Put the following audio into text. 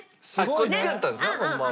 こっちやったんですかホンマは。